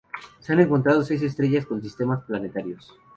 Se han encontrado seis estrellas con sistemas planetarios.